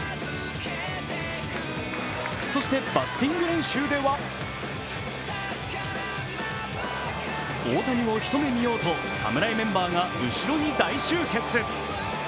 そして、バッティング練習では大谷を一目見ようと、侍メンバーが後ろに大集結。